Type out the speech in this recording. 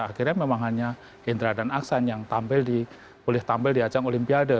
akhirnya memang hanya hindra dan aksan yang tampil di ajang olimpiade